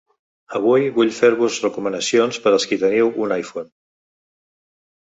Avui vull fer-vos recomanacions per als qui teniu un iPhone.